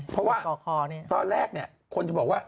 เพราะว่าตอนแรกเนี่ยคนจะบอกว่า